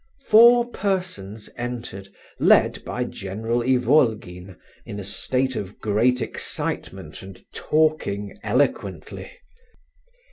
Four persons entered, led by General Ivolgin, in a state of great excitement, and talking eloquently.